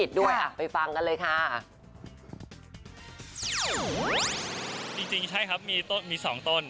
จริงใช่ครับมีสองตน